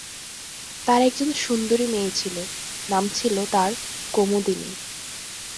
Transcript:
তার একজন সুন্দরী মেয়ে ছিল নাম ছিল তার 'কুমোদিনী'।